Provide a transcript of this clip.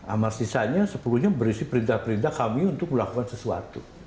amar sisanya sepenuhnya berisi perintah perintah kami untuk melakukan sesuatu